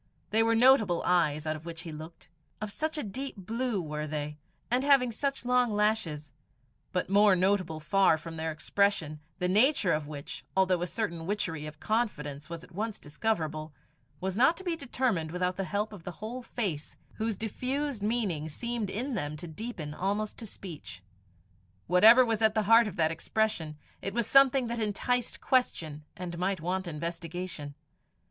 They were notable eyes out of which he looked of such a deep blue were they, and having such long lashes; but more notable far from their expression, the nature of which, although a certain witchery of confidence was at once discoverable, was not to be determined without the help of the whole face, whose diffused meaning seemed in them to deepen almost to speech. Whatever was at the heart of that expression, it was something that enticed question and might want investigation.